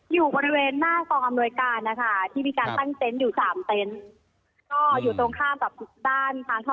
อยู่บริเวณหน้ากองอำนวยการนะคะที่มีการตั้งเต็นต์อยู่๓เต็นต์